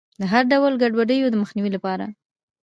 د هر ډول ګډوډیو د مخنیوي لپاره.